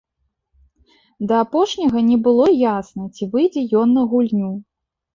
Да апошняга не было ясна, ці выйдзе ён на гульню.